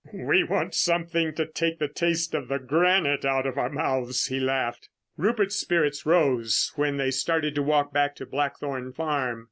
"We want something to take the taste of the granite out of our mouths," he laughed. Rupert's spirits rose when they started to walk back to Blackthorn Farm.